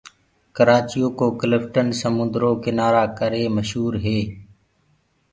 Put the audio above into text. ڪرآچي يو ڪو ڪِلٽن سموندرو ڪنآرآ ڪرآ ڪري مشوُر هي۔